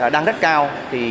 đang rất cao